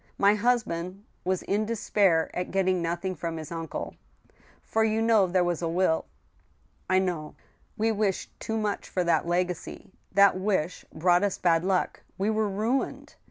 My husband was in despair at getting nothing from his uncle. ... For you know there was a will ?"" I know." " We wished too much for that legacy ; that wish brought us bad luck. .., We were ruined.